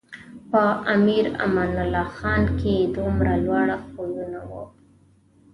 په امیر امان الله خان کې دومره لوړ خویونه و.